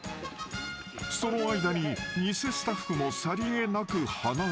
［その間に偽スタッフもさりげなく離れる］